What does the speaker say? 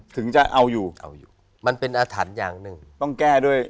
ถึงจะเอาอยู่เอาอยู่มันเป็นอาถรรพ์อย่างหนึ่งต้องแก้ด้วย